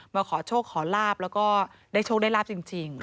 มาขอโชคขอลาบแล้วก็ได้โชคได้ลาบจริง